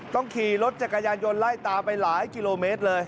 ยนต์ไล่ตามไปหลายกิโลเมตรเลย